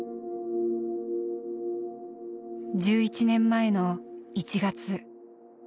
１１年前の１月。